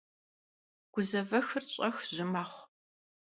Guzevexır ş'ex jı mexhu.